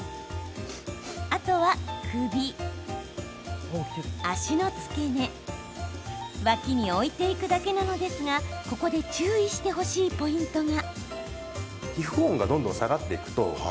あとは、首、脚の付け根わきに置いていくだけなのですがここで注意してほしいポイントが。